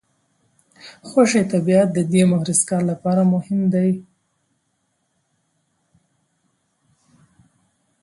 خوشي طبیعت د دې مهرسګال لپاره مهم دی.